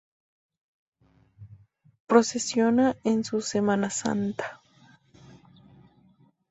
Procesiona en su Semana Santa.